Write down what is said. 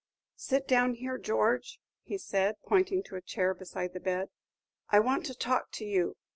"Sit down here, George," said he, pointing to a chair beside the bed; "I want to talk to you.